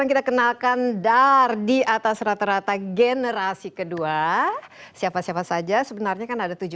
anda tidak d addition summer break wydah